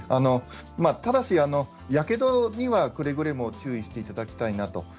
ただし、やけどにはくれぐれも注意していただきたいなと。